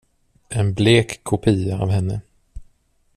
En blek kopia av henne.